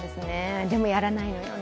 でもやらないんですね。